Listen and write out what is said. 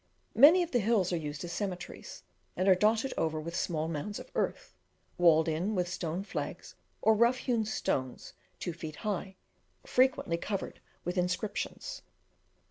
Many of the hills are used as cemeteries, and are dotted over with small mounds of earth, walled in with stone flags, or rough hewn stones two feet high, frequently covered with inscriptions.